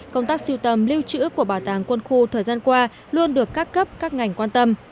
công tác siêu tầm lưu trữ của bảo tàng quân khu thời gian qua luôn được các cấp các ngành quan tâm